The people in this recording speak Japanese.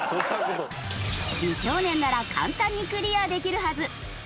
美少年なら簡単にクリアできるはず。